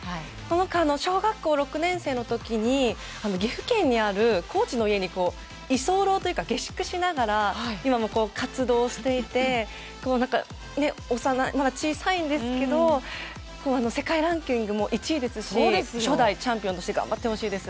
小学校６年生の時に岐阜県にあるコーチの家に居候というか下宿しながら活動していてまだ小さいんですけど世界ランキングも１位ですし初代チャンピオンとして頑張ってほしいです。